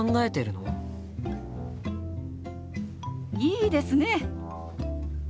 いいですね！